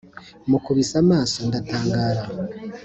mukubise amaso ndatangara